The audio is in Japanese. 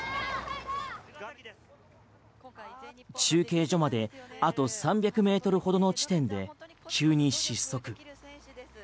中継所まであと３００ｍほどの地点で急に失速。